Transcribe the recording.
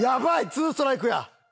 ツーストライクや！